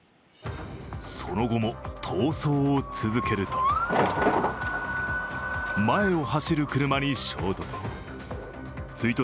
その後も逃走を続けると前を走る車に衝突。